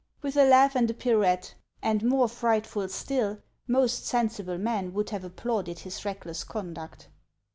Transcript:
With a laugh and a pirouette ; and, more frightful still, most sensible men would have applauded his reckless conduct.